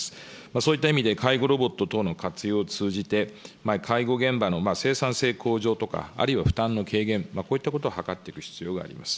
そういった意味で介護ロボット等の活用を通じて、介護現場の生産性向上とか、あるいは負担の軽減、こういったことを図っていく必要があります。